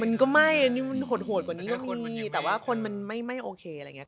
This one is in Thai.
มันก็ไม่อันนี้มันโหดกว่านี้ก็มีแต่ว่าคนมันไม่โอเคอะไรอย่างนี้